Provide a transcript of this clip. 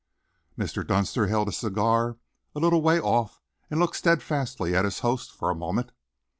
Mr. Dunster held his cigar a little way off and looked steadfastly at his host for a moment.